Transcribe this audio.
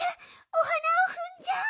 おはなをふんじゃう。